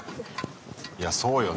いやそうよね。